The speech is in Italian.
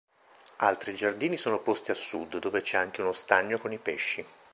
Altri giardini sono posti a sud dove c'è anche uno stagno con i pesci.